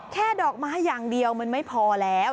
ดอกไม้อย่างเดียวมันไม่พอแล้ว